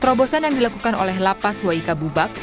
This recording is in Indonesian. terobosan yang dilakukan oleh lapas wai kabubak